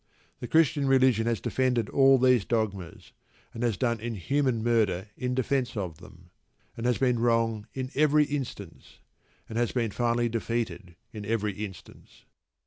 The Christian religion has defended all these dogmas, and has done inhuman murder in defence of them; and has been wrong in every instance, and has been finally defeated in every instance.